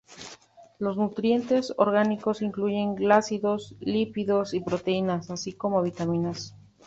Los nutrientes orgánicos incluyen glúcidos, lípidos y proteínas, así como vitaminas.